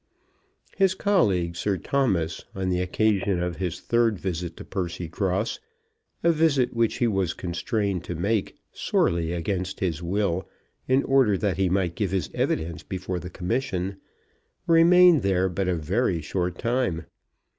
His colleague, Sir Thomas, on the occasion of his third visit to Percycross, a visit which he was constrained to make, sorely against his will, in order that he might give his evidence before the Commission, remained there but a very short time.